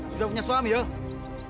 sudah punya suami yuk